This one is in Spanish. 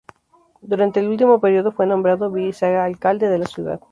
Durante el último periodo fue nombrado vicealcalde de la ciudad.